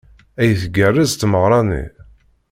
Ay tgerrez tmeɣra-nni!